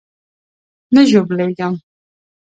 نه ژوبلېږم.